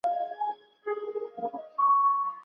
袋萼黄耆为豆科黄芪属的植物。